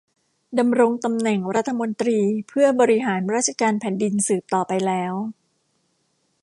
ดำรงตำแหน่งรัฐมนตรีเพื่อบริหารราชการแผ่นดินสืบต่อไปแล้ว